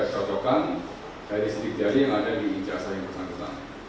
yang selain dari sidik jari juga disocokkan dari sidik jari yang ada di ijasa yang pernah kita